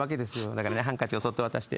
だからハンカチをそっと渡して。